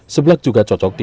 sebelak juga cocok disantap